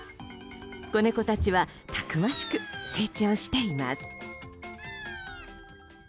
子猫たちはたくましく成長しています。